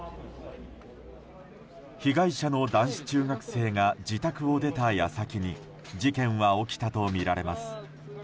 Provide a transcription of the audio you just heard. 被害者の男子中学生が自宅を出た矢先に事件は起きたとみられます。